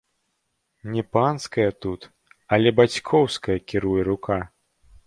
Не панская тут, але бацькоўская кіруе рука!